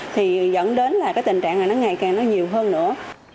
thì dẫn đến là cái tình trạng này nó ngày càng nó nhiều hơn nữa